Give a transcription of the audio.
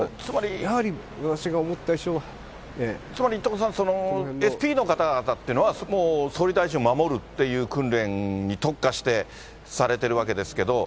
やはり、つまり伊藤さん、ＳＰの方々っていうのは、総理大臣も守るっていう訓練に特化して、されてるわけですけれども、